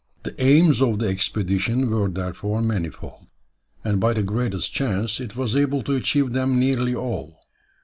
The aims of the expedition were therefore manifold, and by the greatest chance it was able to achieve them nearly all.